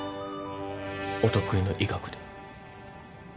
お得意の医学で。